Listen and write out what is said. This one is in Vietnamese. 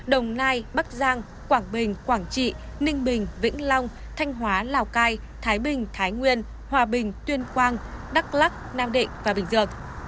đồng nai bắc giang quảng bình quảng trị ninh bình vĩnh long thanh hóa lào cai thái bình thái nguyên hòa bình tuyên quang đắk lắc nam định và bình dương